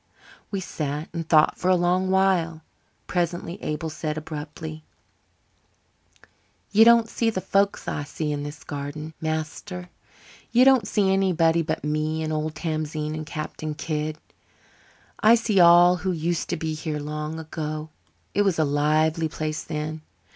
We sat and thought for a long while. Presently Abel said abruptly: "You don't see the folks I see in this garden, master. You don't see anybody but me and old Tamzine and Captain Kidd. I see all who used to be here long ago. It was a lively place then.